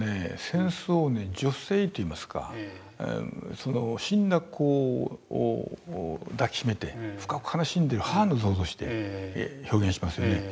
戦争を女性っていいますか死んだ子を抱きしめて深く悲しんでる母の像として表現しますよね。